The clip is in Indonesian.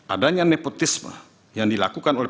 adanya nepotisme yang dilakukan oleh